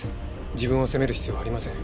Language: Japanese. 自分を責める必要はありません。